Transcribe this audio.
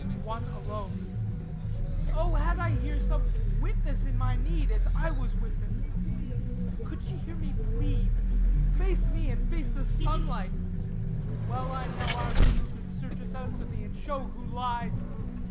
one alone O had I here some witness in my need, As I was witness! Could she hear me plead, Face me and face the sunlight; well I know, Our deeds would search us out for thee, and show Who lies!